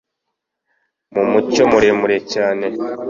mu mucyo muremure cyane